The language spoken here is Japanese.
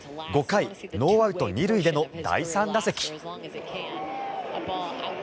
５回ノーアウト２塁での第３打席。